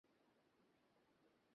তোমাদের এখানে থাকাটা বেশি জরুরি।